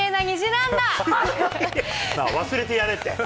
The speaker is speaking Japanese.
忘れてやれって。